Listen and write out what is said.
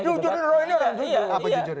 iya jujur roy ini orang jujur